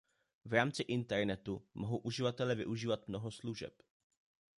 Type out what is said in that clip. V rámci internetu mohou uživatelé využívat mnoho služeb.